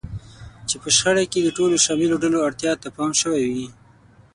چې په شخړه کې د ټولو شاملو ډلو اړتیا ته پام شوی وي.